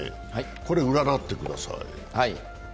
これ占ってください。